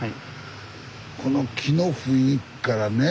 この木の雰囲気からね。